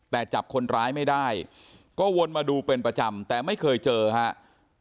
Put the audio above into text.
แต่จับคนร้ายไม่ได้ก็วนมาดูเป็นประจำแต่ไม่เคยเจอครับ